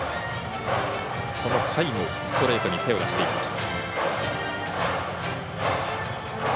甲斐も、ストレートに手を出していきました。